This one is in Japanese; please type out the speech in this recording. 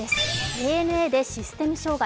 ＡＮＡでシステム障害。